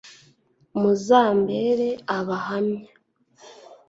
muzambere abahamya